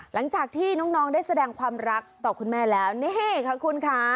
หลังจากที่น้องได้แสดงความรักต่อคุณแม่แล้วนี่ขอบคุณค่ะ